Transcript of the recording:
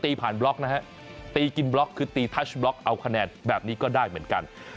ผ่านบล็อกนะฮะตีกินบล็อกคือตีทัชบล็อกเอาคะแนนแบบนี้ก็ได้เหมือนกัน